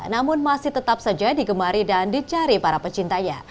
namun masih tetap saja digemari dan dicari para pecintanya